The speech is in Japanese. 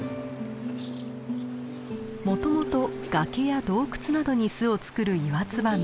もともと崖や洞窟などに巣を作るイワツバメ。